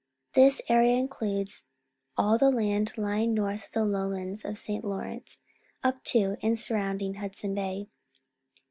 This area includes all the land lying north of the Lowlands of the St. Lawrence, up to and surrounding Hudson Bay.